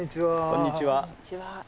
こんにちは。